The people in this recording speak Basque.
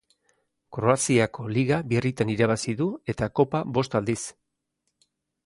Kroaziako Liga birritan irabazi du eta Kopa bost aldiz.